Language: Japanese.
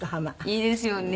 いいですよね。